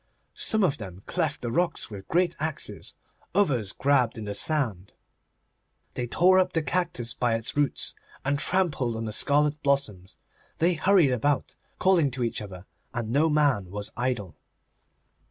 Some of them cleft the rocks with great axes; others grabbled in the sand. They tore up the cactus by its roots, and trampled on the scarlet blossoms. They hurried about, calling to each other, and no man was idle.